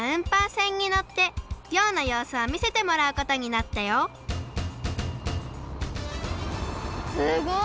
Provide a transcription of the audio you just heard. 船にのって漁のようすをみせてもらうことになったよすごい！